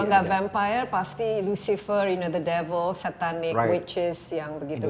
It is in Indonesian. tapi vampire pasti lucifer you know the devil satanik witches yang begitu begitu